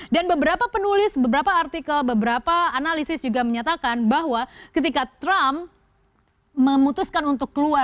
dan beberapa penulis beberapa artikel beberapa analisis juga menyatakan bahwa ketika trump memutuskan untuk keluar